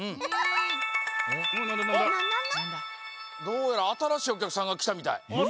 どうやらあたらしいおきゃくさんがきたみたい。